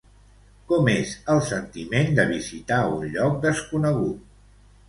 Com és el sentiment de visitar un lloc desconegut?